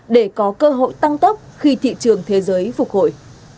để có cơ hội tăng tốc khi thị trường thế giới phục hồi